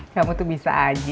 kamu tuh bisa aja